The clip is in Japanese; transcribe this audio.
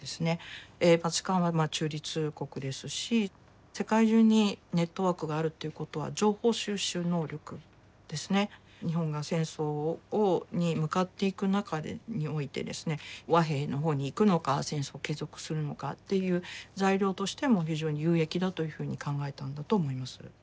バチカンは中立国ですし世界中にネットワークがあるっていうことは情報収集能力ですね日本が戦争に向かっていく中において和平の方に行くのか戦争を継続するのかっていう材料としても非常に有益だというふうに考えたんだと思います。